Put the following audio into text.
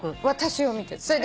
私を見てる。